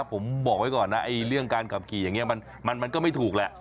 ผมบอกไว้ก่อนน่ะไอ้เรื่องการขับขี่อย่างเงี้ยมันมันมันก็ไม่ถูกแหละ